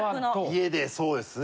家でそうですね。